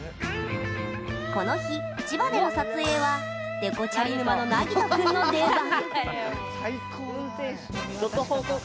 この日、千葉での撮影はデコチャリ沼の、なぎと君の出番。